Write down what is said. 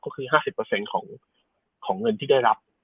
ก็คือ๕๐เปอร์เซ็นต์ของเงินที่ได้รับ